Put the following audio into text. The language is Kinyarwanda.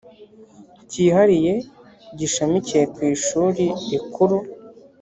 cyihariye gishamikiye ku ishuri rikuru